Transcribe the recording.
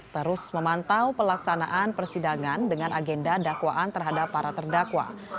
terus memantau pelaksanaan persidangan dengan agenda dakwaan terhadap para terdakwa